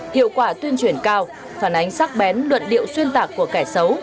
hiệu quả tuyên truyền cao phản ánh sắc bén luận điệu xuyên tạc của kẻ xấu